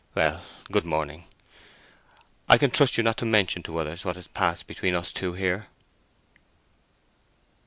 Well, good morning; I can trust you not to mention to others what has passed between us two here."